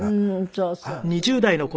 そうそう。